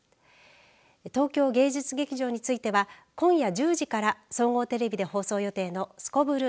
東京芸術劇場については今夜１０時から総合テレビで放送予定のすこぶる